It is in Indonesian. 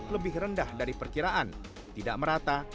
lebih rendah dari perkiraan tidak merata